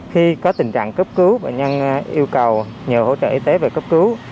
khi có tình trạng cấp cứu bệnh nhân yêu cầu nhờ hỗ trợ y tế về cấp cứu